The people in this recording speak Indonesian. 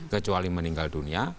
kecuali meninggal dunia